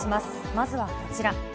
まずはこちら。